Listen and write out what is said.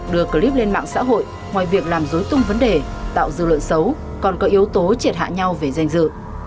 đưa clip lên mạng xã hội ngoài việc làm dối tung vấn đề tạo dư luận xấu còn có yếu tố triệt hạ nhau về danh dự